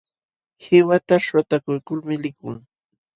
Qiwata shwatakuykulmi likun.